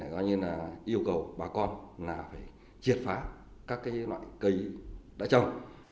gọi như là yêu cầu bà con là phải triệt phá các cái loại cây đã trồng